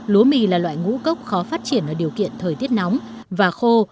lúa mì là loại ngũ cốc khó phát triển ở điều kiện thời tiết nóng và khô